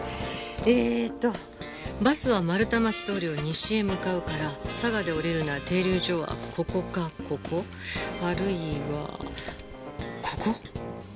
えーっとバスは丸太町通を西へ向かうから嵯峨で降りるなら停留所はここかここあるいはここ。